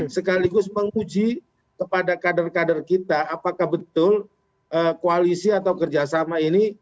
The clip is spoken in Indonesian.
sekaligus menguji kepada kader kader kita apakah betul koalisi atau kerjasama ini